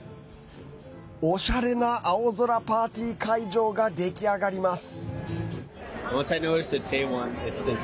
おしゃれな青空パーティー会場が出来上がります。